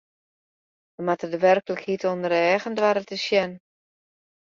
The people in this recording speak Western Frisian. Wy moatte de werklikheid ûnder eagen doare te sjen.